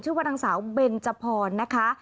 ชื่อว่านางสาวเบนจพรนะคะ